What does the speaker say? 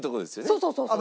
そうそうそうそう！